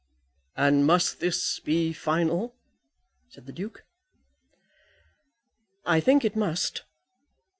"And must this be final?" said the Duke. "I think it must.